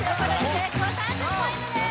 成功３０ポイントです